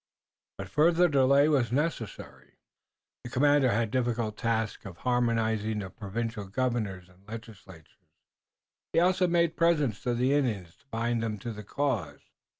But further delay was necessary. The commander still had the difficult task of harmonizing the provincial governors and legislatures, and he also made many presents to the Indians to bind them to the cause.